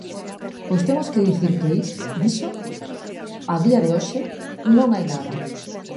Pois temos que dicir que diso, a día de hoxe, non hai nada.